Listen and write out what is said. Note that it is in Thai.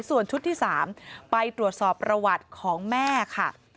ส่วนชุดที่๓ไปตรวจสอบประวัติของแม่ค่ะ